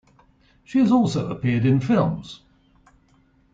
She has also appeared in films.